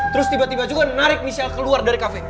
terus tiba tiba juga narik michelle keluar dari kafe